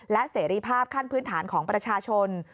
และเสรีภาพขั้นพื้นฐานของประชาชน